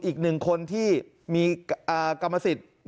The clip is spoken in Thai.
อีกหนึ่งคนที่มีกรรมสิทธิ์